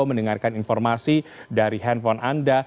mendengarkan informasi dari handphone anda